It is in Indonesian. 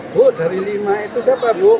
bu dari lima itu siapa bu